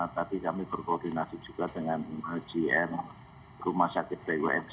tapi kami berkoordinasi juga dengan hgm rumah sakit bimc